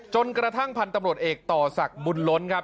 กระทั่งพันธุ์ตำรวจเอกต่อศักดิ์บุญล้นครับ